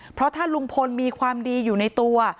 เพราะถ้าลุงพลมีความดีอยู่ในตัว